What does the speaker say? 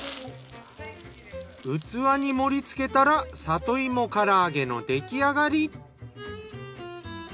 器に盛りつけたら里芋唐揚げの出来上がり。